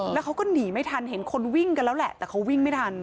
แล้วเขาก็หนีไม่ทันเห็นคนวิ่งกันแล้วแหละแต่เขาวิ่งไม่ทัน